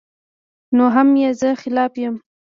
نو هم ئې زۀ خلاف يم